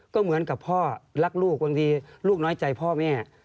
ก็เหมือนกับพ่อรักลูกบางทีลูกน้อยใจพ่อแม่